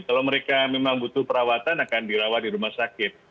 kalau mereka memang butuh perawatan akan dirawat di rumah sakit